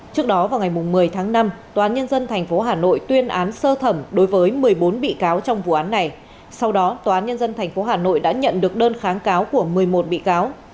trước đó vào ngày một mươi tháng năm tòa án nhân dân tp hà nội tuyên án sơ thẩm đối với một mươi bốn bị cáo trong vụ án này sau đó tòa án nhân dân tp hà nội đã nhận được đơn kháng cáo của một mươi một bị cáo